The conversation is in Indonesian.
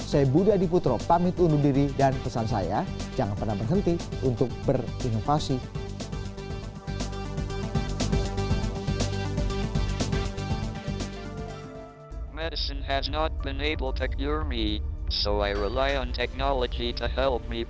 saya budi adiputro pamit undur diri dan pesan saya jangan pernah berhenti untuk berinovasi